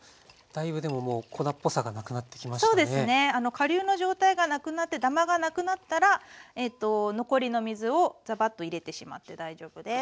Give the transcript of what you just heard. かりゅうの状態がなくなってダマがなくなったら残りの水をザバッと入れてしまって大丈夫です。